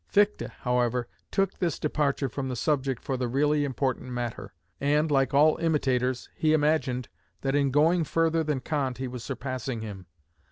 Fichte, however, took this departure from the subject for the really important matter, and like all imitators, he imagined that in going further than Kant he was surpassing him.